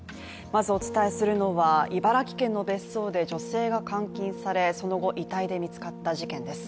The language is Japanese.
まずお伝えするのは茨城県の別荘で女性が監禁され、その後、遺体で見つかった事件です。